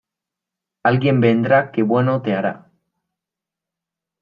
Alguien vendrá que bueno te hará.